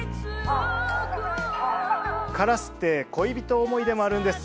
カラスって恋人思いでもあるんです。